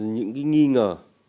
những cái nghi ngờ